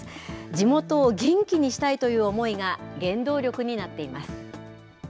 地元を元気にしたいという思いが原動力になっています。